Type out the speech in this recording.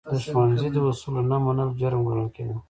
د ښوونځي د اصولو نه منل، جرم ګڼل کېده.